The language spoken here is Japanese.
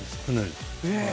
え！